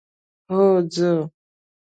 هو ځو.